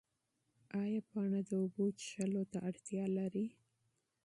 ایا پاڼه د اوبو څښلو ته اړتیا لري؟